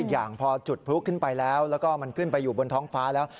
ยังพอจุดฟรุ๊คขึ้นไปแล้วแล้วมันขึ้นไปบนธองฟ้าแล้ว